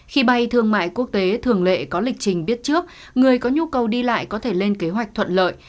khi bay thương mại quốc tế thường lệ có lịch trình biết trước người có nhu cầu đi lại có thể lên kế hoạch thuận lợi